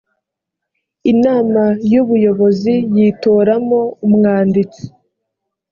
inama y ubuyobozi yitoramo umwanditsi